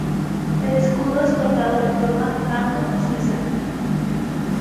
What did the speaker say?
El escudo es cortado de forma Fanco-Suiza.